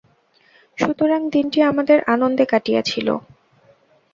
সুতরাং দিনটি আমাদের আনন্দে কাটিয়াছিল।